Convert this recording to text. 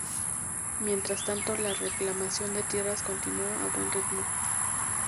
Mientras tanto, la reclamación de tierras continuó a buen ritmo.